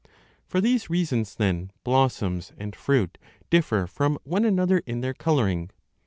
For these reasons, then, blossoms and fruit differ from one another in their colouring.